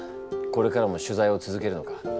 これからも取材を続けるのか？